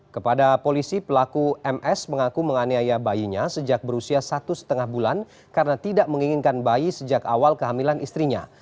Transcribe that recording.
kepada polisi pelaku ms mengaku menganiaya bayinya sejak berusia satu lima bulan karena tidak menginginkan bayi sejak awal kehamilan istrinya